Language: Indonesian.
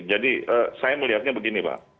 jadi saya melihatnya begini pak